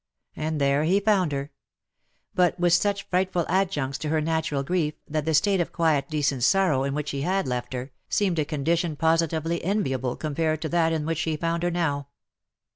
And there he found her ; but with such frightful adjuncts to her natural grief, that the state of quiet decent sorrow in which he had left her, seemed a condition positively enviable compared to that in which he found her now.